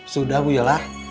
sudah bu yola